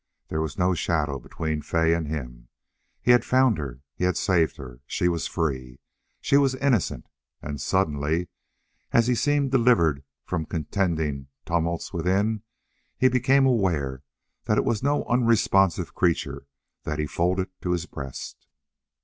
There was no shadow between Fay and him. He had found her. He had saved her. She was free. She was innocent. And suddenly, as he seemed delivered from contending tumults within, he became aware that it was no unresponsive creature he had folded to his breast.